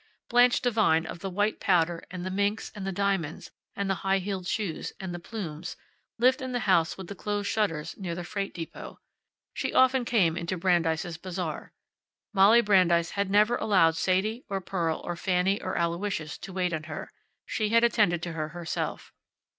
Blanche Devine, of the white powder, and the minks, and the diamonds, and the high heeled shoes, and the plumes, lived in the house with the closed shutters, near the freight depot. She often came into Brandeis' Bazaar. Molly Brandeis had never allowed Sadie, or Pearl, or Fanny or Aloysius to wait on her. She had attended to her herself.